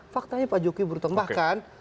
faktanya pak jokowi bertambah kan